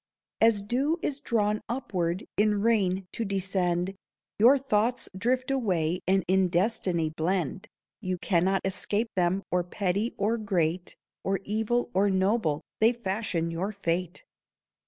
As dew is drawn upward, in rain to descend, Your thoughts drift away and in destiny blend. You cannot escape them; or petty, or great, Or evil, or noble, they fashion your fate.